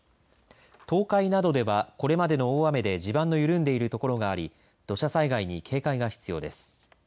東海などではこれまでの大雨で地盤の緩んでいる所があり土砂災害に警戒が必要です。